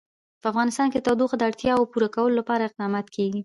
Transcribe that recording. په افغانستان کې د تودوخه د اړتیاوو پوره کولو لپاره اقدامات کېږي.